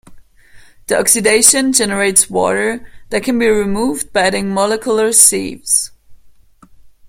The oxidation generates water that can be removed by adding molecular sieves.